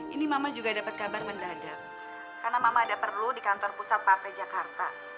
ini mama juga dapat kabar mendadak karena mama ada perlu di kantor pusat partai jakarta